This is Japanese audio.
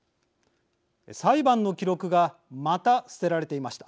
裁判の記録がまた捨てられていました。